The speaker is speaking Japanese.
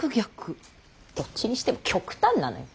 どっちにしても極端なのよ。